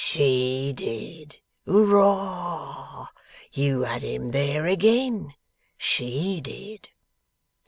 'She did. Hooroar! You had him there agin. She did.